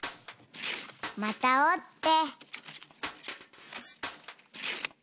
またおって。